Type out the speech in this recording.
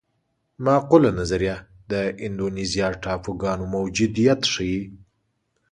معقوله نظریه د اندونیزیا ټاپوګانو موجودیت ښيي.